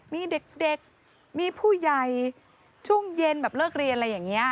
มีเด็กมีผู้ใหญ่ช่วงเย็นแบบเลิกเรียนอะไรอย่างนี้